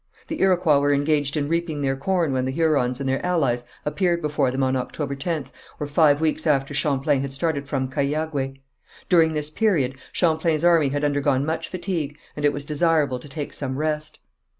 The Iroquois were engaged in reaping their corn when the Hurons and their allies appeared before them on October 10th, or five weeks after Champlain had started from Cahiagué. During this period Champlain's army had undergone much fatigue, and it was desirable to take some rest.